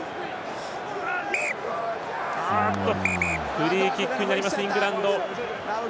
フリーキックになりますイングランド。